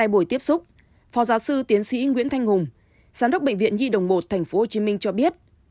báo sư tiến sĩ nguyễn thanh hùng giám đốc bệnh viện nhi đồng một tp hcm cho biết